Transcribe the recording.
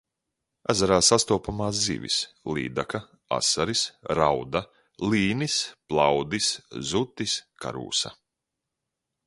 Ezerā sastopamās zivis: līdaka, asaris, rauda, līnis, plaudis, zutis, karūsa.